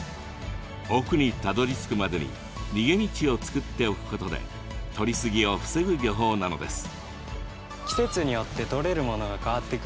奥にたどりつくまでに逃げ道を作っておくことでとり過ぎを防ぐ漁法なのです。